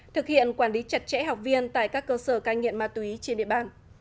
thực hiện quản lý chặt chẽ học viên tại các cơ sở cai nghiện ma túy trên địa bàn